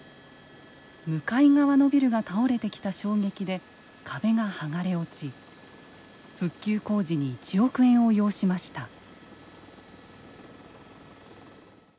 向かい側のビルが倒れてきた衝撃で壁が剥がれ落ち復旧工事に１億円を要しました。